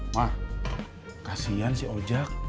ma kasian si ojak